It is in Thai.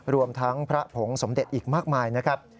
รวมทั้งพระผงสมเด็จอีกมากมายนะครับ